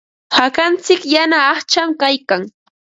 Hakantsik yana aqcham kaykan.